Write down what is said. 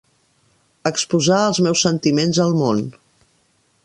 Exposar els meus sentiments al món